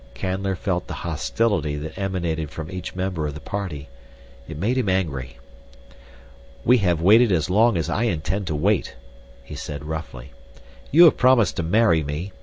Canler felt the hostility that emanated from each member of the party. It made him angry. "We have waited as long as I intend to wait," he said roughly. "You have promised to marry me.